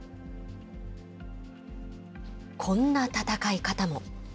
こんな戦い方も。